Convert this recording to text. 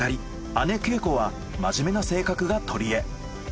姉啓子は真面目な性格がとりえ。